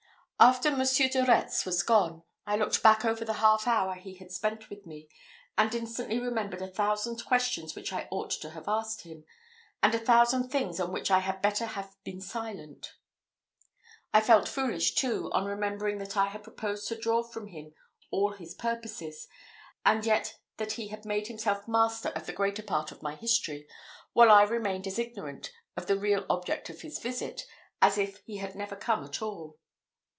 After Monsieur de Retz was gone, I looked back over the half hour he had spent with me, and instantly remembered a thousand questions which I ought to have asked him, and a thousand things on which I had better have been silent. I felt very foolish, too, on remembering that I had proposed to draw from him all his purposes; and yet that he had made himself master of the greater part of my history, while I remained as ignorant of the real object of his visit as if he had never come at all.